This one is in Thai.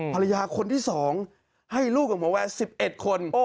ภรรยาคนที่๒ให้ลูกกับหมอแวร์๑๑คน